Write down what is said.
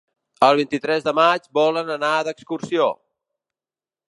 El vint-i-tres de maig volen anar d'excursió.